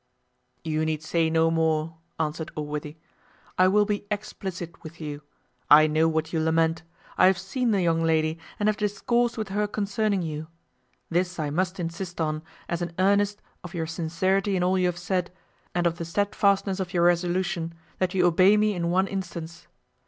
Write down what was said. "You need say no more," answered Allworthy; "I will be explicit with you; I know what you lament; I have seen the young lady, and have discoursed with her concerning you. This I must insist on, as an earnest of your sincerity in all you have said, and of the stedfastness of your resolution, that you obey me in one instance.